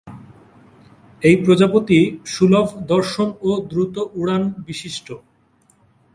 এই প্রজাতি সুলভ দর্শন ও দ্রুত উড়ান বিশিষ্ট।